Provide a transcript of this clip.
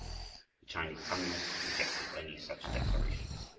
The Chinese Communists rejected any such declaration.